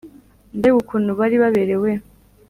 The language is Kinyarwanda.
Mbega ukuntu bari baberewe